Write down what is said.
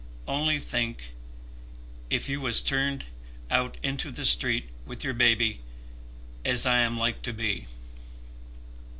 Only think if you was turned out into the street with your babby, as I am like to be."